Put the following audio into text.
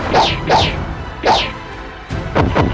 rayus rayus sensa pergi